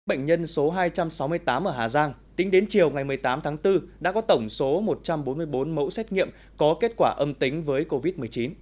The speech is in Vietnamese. bệnh nhân số hai trăm sáu mươi tám ở hà giang tính đến chiều ngày một mươi tám tháng bốn đã có tổng số một trăm bốn mươi bốn mẫu xét nghiệm có kết quả âm tính với covid một mươi chín